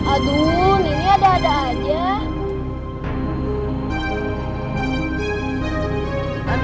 aduh ini ada ada aja